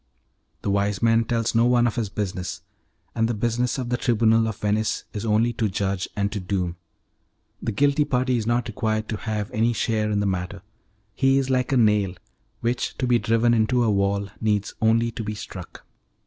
The wise man tells no one of his business, and the business of the Tribunal of Venice is only to judge and to doom. The guilty party is not required to have any share in the matter; he is like a nail, which to be driven into a wall needs only to be struck.